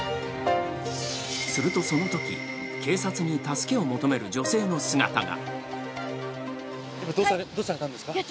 するとそのとき、警察に助けを求める女性の姿が。